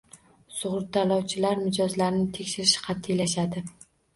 Sug‘urtalovchilar mijozlarini tekshirish qat'iylashadi